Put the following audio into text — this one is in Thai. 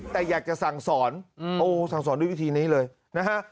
แต่อยากจะสั่งสอนโอ้สั่งสอนด้วยวิธีนี้เลยนะฮะ